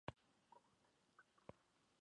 Con una lengua al borde de la extinción.